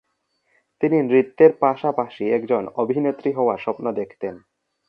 তিনি নৃত্যের পাশাপাশি একজন অভিনেত্রী হওয়ার স্বপ্ন দেখতেন।